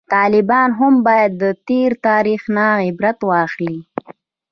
طالبان هم باید د تیر تاریخ نه عبرت واخلي